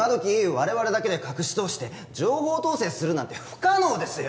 我々だけで隠し通して情報統制するなんて不可能ですよ